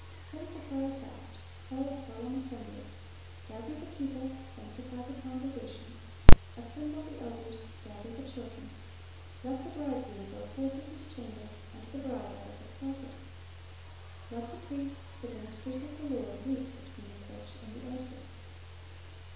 "Sanctify a fast, call a solemn assembly: gather the people, sanctify the congregation, assemble the elders, gather the children: ... let the bridegroom go forth of his chamber, and the bride out of her closet. Let the priests, the ministers of the Lord, weep between the porch and the altar."